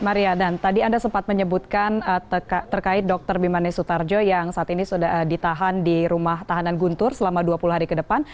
maria dan tadi anda sempat menyebutkan terkait dr bimanes sutarjo yang saat ini sudah ditahan di rumah tahanan guntur selama dua puluh hari ke depan